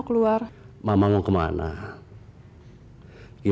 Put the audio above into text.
tentang apa yang terjadi